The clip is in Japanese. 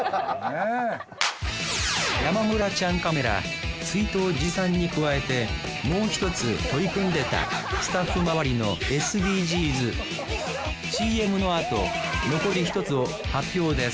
山村ちゃんカメラ水筒持参に加えてもう１つ取り組んでたスタッフ周りのＳＤＧｓＣＭのあと残り１つを発表です